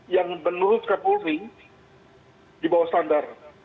yang menurut kapolri di bawah standar